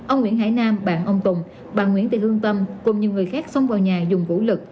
ông nguyễn hải nam bạn ông tùng bạn nguyễn tị hương tâm cùng những người khác sống vào nhà dùng vũ lực